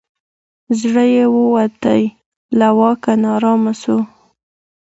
زړه یې ووتی له واکه نا آرام سو